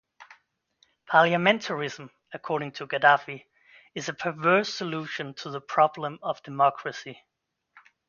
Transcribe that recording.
Parliamentarism, according to Gaddafi, is a perverse solution to the problem of democracy.